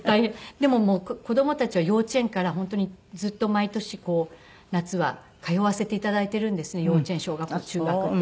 でも子供たちは幼稚園から本当にずっと毎年こう夏は通わせて頂いているんですね幼稚園小学校中学って。